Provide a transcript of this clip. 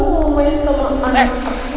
kamu mau main sama anak aku